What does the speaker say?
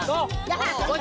lepaskan yang gaji